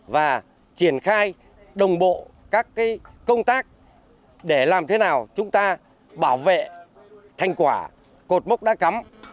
và triển khai đồng bộ các công tác để làm thế nào chúng ta bảo vệ thành quả cột mốc đã cắm